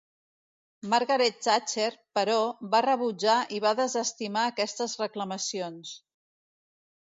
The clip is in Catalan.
Margaret Thatcher, però, va rebutjar i va desestimar aquestes reclamacions..